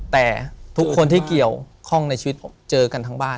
แต่ทุกคนที่เกี่ยวข้องในชีวิตผมเจอกันทั้งบ้าน